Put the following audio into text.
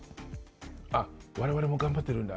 あっ我々も頑張ってるんだ。